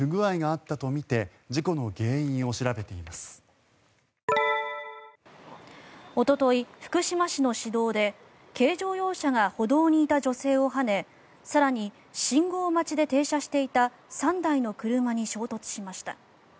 おととい、福島市の市道で軽乗用車が歩道にいた女性をはね更に信号待ちで停車していた３台の車に衝突しました。